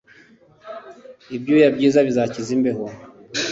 Ibyuya byiza bizakiza imbeho